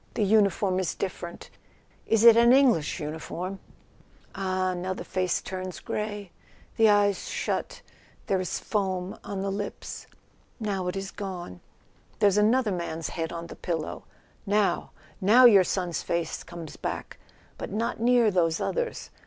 The uniform is different—is it an English uniform ?... Ah, now the face turns grey; the eyes shut, there is foam on the lips. Now it is gone—there's another man's head on the pillow. .. Now, now your son's face comes back; but not near those others.